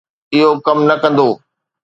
اهو ڪم نه ڪندو.